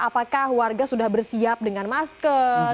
apakah warga sudah bersiap dengan masker